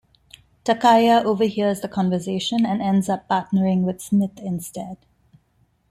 Takaya overhears the conversation and ends up partnering with Smith instead.